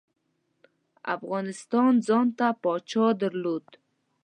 افغانستان ځانته پاچا درلود.